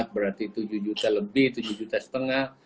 berarti tujuh juta lebih tujuh juta setengah